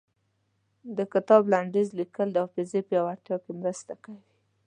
د کتاب لنډيز ليکل د حافظې پياوړتيا کې مرسته کوي.